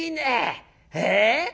ええ？